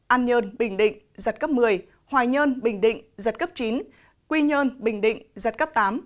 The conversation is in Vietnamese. an nhơn bình định giật cấp một mươi hoài nhơn bình định giật cấp chín quy nhơn bình định giật cấp tám